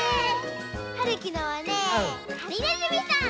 はるきのはねはりねずみさん。